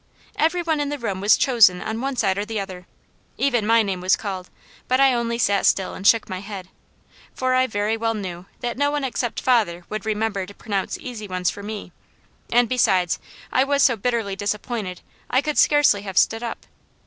Every one in the room was chosen on one side or the other; even my name was called, but I only sat still and shook my head, for I very well knew that no one except father would remember to pronounce easy ones for me, and besides I was so bitterly disappointed I could scarcely have stood up.